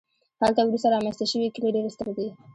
هلته وروسته رامنځته شوي کلي ډېر ستر دي